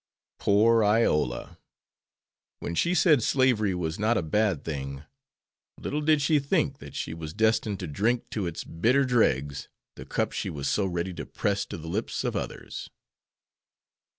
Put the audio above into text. Poor Iola! When she said slavery was not a bad thing, little did she think that she was destined to drink to its bitter dregs the cup she was so ready to press to the lips of others.